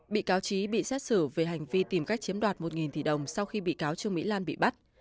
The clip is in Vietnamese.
bị cáo trí bị xét xử về hành vi tìm cách chiếm đoạt một tỷ đồng sau khi bị cáo trương mỹ lan bị bắt